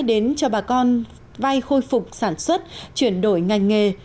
đến cho bà con vay khôi phục sản xuất chuyển đổi ngành nghề